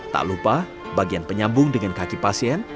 tak lupa bagian penyambung dengan kaki pasien